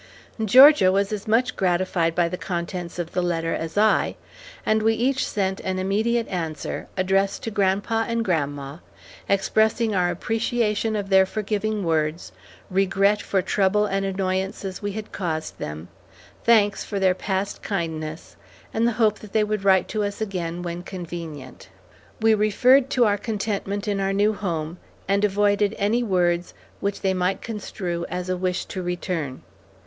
Georgia was as much gratified by the contents of the letter as I, and we each sent an immediate answer, addressed to grandpa and grandma, expressing our appreciation of their forgiving words, regret for trouble and annoyances we had caused them, thanks for their past kindness, and the hope that they would write to us again when convenient. We referred to our contentment in our new home, and avoided any words which they might construe as a wish to return.